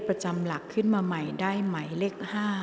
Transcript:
ประจำหลักขึ้นมาใหม่ได้หมายเลข๕